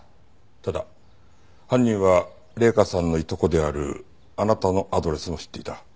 ただ犯人は麗華さんのいとこであるあなたのアドレスも知っていた。